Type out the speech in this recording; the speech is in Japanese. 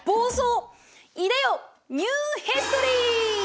いでよニューヒストリー！